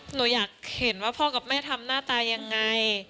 หนูอยากเห็นว่าพ่อกับแม่ทำหน้าตายังไง